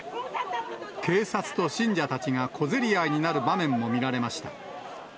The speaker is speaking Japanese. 警察と信者たちが小競り合いになる場面も見られました。